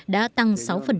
đã tăng sáu